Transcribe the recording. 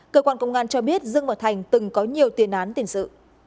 cơ quan công an cho biết dương và thành từng có nhiều tiền án tiền sự